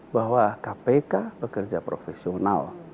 bahwa kpk bekerja profesional